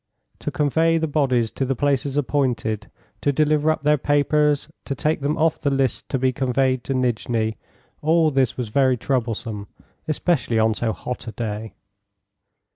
To convey the bodies to the places appointed, to deliver up their papers, to take them off the lists of those to be conveyed to Nijni all this was very troublesome, especially on so hot a day.